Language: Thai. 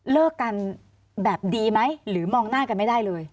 เลิกกันแบบดีไหมหรือมองหน้ากันไม่ได้เลย